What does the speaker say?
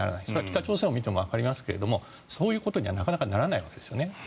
それは北朝鮮を見てもわかりますがそういうことにはなかなかならないわけですね。